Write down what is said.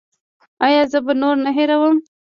ایا زه به نور نه هیروم؟